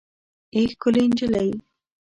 اې ښکلې نجلۍ